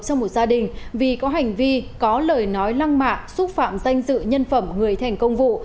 trong một gia đình vì có hành vi có lời nói lăng mạ xúc phạm danh dự nhân phẩm người thành công vụ